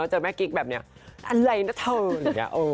เจอแม่กรี๊กแบบนี้อะไรนะเถอะหละ